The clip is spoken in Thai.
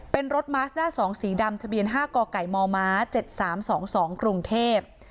เป็นรถม้าหน้าสองสีดำทะเบียนห้ากอไก่มมเจ็ดสามสองสองกรุงเทพ